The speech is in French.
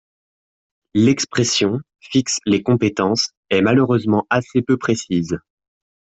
L’expression, fixent les compétences, est malheureusement assez peu précise.